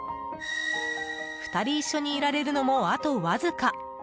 ２人一緒にいられるのもあとわずか。